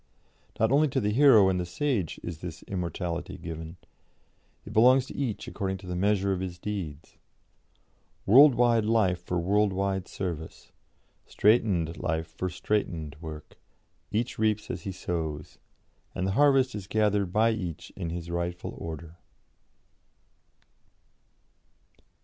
Not only to the hero and the sage is this immortality given; it belongs to each according to the measure of his deeds; world wide life for world wide service; straitened life for straitened work; each reaps as he sows, and the harvest is gathered by each in his rightful order."